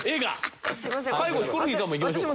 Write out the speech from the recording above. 最後ヒコロヒーさんもいきましょうか。